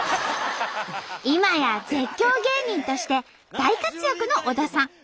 今や絶叫芸人として大活躍の小田さん。